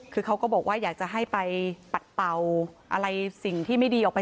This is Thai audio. คือเขาก็บอกว่าอยากจะให้ไปปัดเป่าอะไรสิ่งที่ไม่ดีออกไป